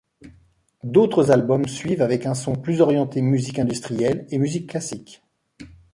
D'autres albums suivent avec un son plus orienté musique industrielle et musique classique.